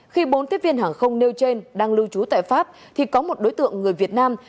khi bốn tiếp viên hàng không nêu trên đang lưu trú tại pháp thì có một đối tượng người việt nam